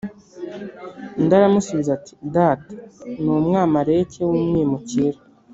Undi aramusubiza ati data ni umwamaleki w umwimukira